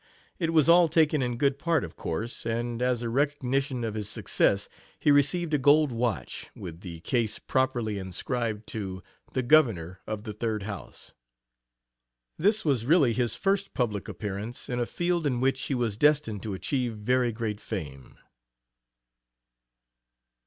It was all taken in good part, of course, and as a recognition of his success he received a gold watch, with the case properly inscribed to "The Governor of the Third House." This was really his first public appearance in a field in which he was destined to achieve very great fame.